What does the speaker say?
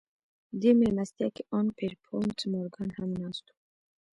په دې مېلمستیا کې ان پیرپونټ مورګان هم ناست و